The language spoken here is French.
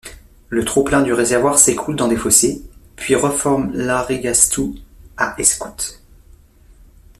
Le trop-plein du réservoir s'écoule dans des fossés puis reforment l'Arrigastoû à Escout.